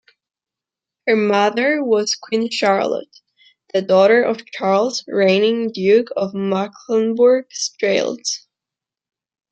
Her mother was Queen Charlotte, the daughter of Charles, reigning Duke of Mecklenburg-Strelitz.